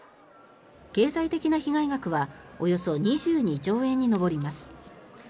経済的な被害額はおよそ２２兆円に上ります。